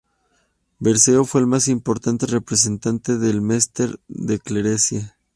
Berceo fue el más importante representante del mester de clerecía.